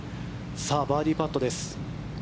さあ、バーディーパットです。